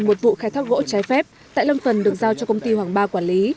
một vụ khai thác gỗ trái phép tại lâm phần được giao cho công ty hoàng ba quản lý